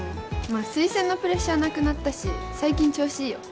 あ推薦のプレッシャーなくなったし最近調子いいよ